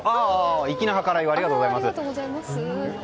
粋な計らいありがとうございます。